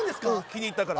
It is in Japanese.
気に入ったから。